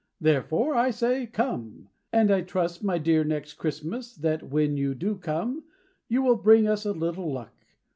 Therefore, I say "Come," And I trust, my dear Next Christmas, That when you do come You will bring us a little luck.